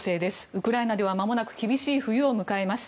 ウクライナではまもなく厳しい冬を迎えます。